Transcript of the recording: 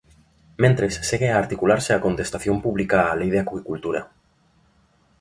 Mentres, segue a articularse a contestación pública á Lei de Acuicultura.